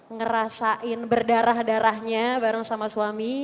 ngerasain berdarah darahnya bareng sama suami